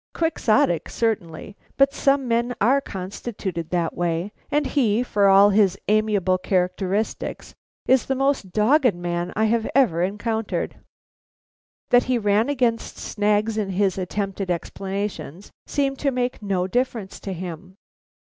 Quixotic, certainly, but some men are constituted that way, and he, for all his amiable characteristics, is the most dogged man I ever encountered. That he ran against snags in his attempted explanations, seemed to make no difference to him.